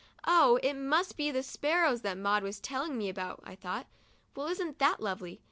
" Oh, it must be the sparrows that Maud was telling me about," I thought. "Well, isn't that lovely?